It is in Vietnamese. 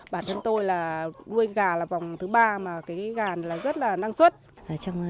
bản thân tôi là nuôi gà là vòng thứ ba mà cái gà là rất là năng suất